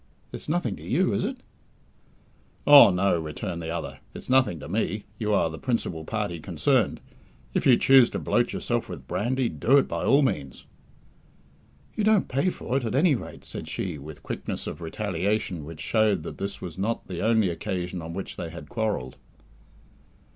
It's nothing to you, is it?" "Oh, no," returned the other, "it's nothing to me. You are the principal party concerned. If you choose to bloat yourself with brandy, do it by all means." "You don't pay for it, at any rate!" said she, with quickness of retaliation which showed that this was not the only occasion on which they had quarrelled.